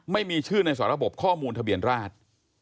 ไม่มีชื่อในสระบบข้อมูลทะเบียนราช